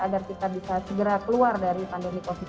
agar kita bisa segera keluar dari pandemi covid sembilan belas